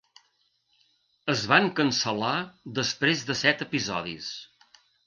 Es va cancel·lar després de set episodis.